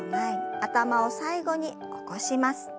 頭を最後に起こします。